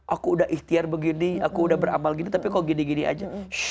aku sudah ikhtiar begini aku sudah beramal begini tapi kok gini gini saja